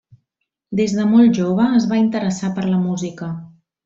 Des de molt jove es va interessar per la música.